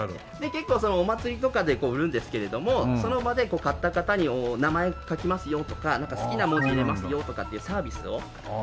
結構お祭りとかで売るんですけれどもその場で買った方にお名前書きますよとかなんか好きな文字入れますよとかっていうサービスを。